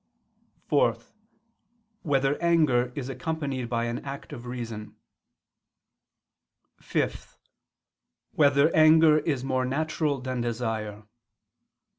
(4) Whether anger is accompanied by an act of reason? (5) Whether anger is more natural than desire?